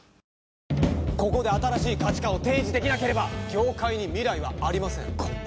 ここで新しい価値観を提示できなければ業界に未来はありません。